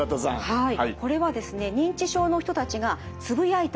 はい。